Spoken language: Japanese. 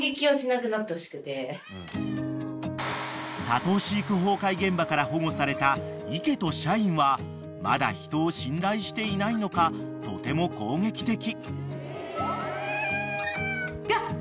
［多頭飼育崩壊現場から保護されたイケとシャインはまだ人を信頼していないのかとても攻撃的］